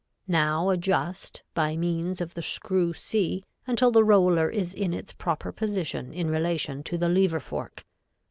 Now adjust, by means of the screw C until the roller is in its proper position in relation to the lever fork.